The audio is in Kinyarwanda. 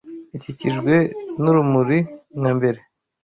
ikikijwe n’urumuri nka mbere.